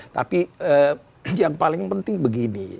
tapi yang paling penting begini